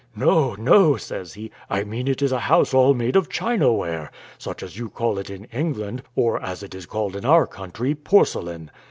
"No, no," says he, "I mean it is a house all made of China ware, such as you call it in England, or as it is called in our country, porcelain."